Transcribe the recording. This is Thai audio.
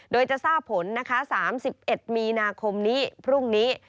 โดยจะทราบผลนะคะ๓๑มีนาคมนี้พรุ่งนี้